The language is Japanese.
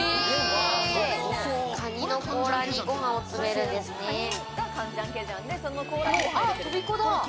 カニの甲羅にご飯を詰めるんですね。とびこだ。